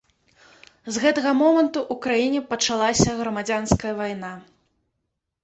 З гэтага моманту ў краіне пачалася грамадзянская вайна.